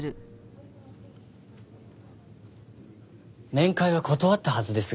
面会は断ったはずですが？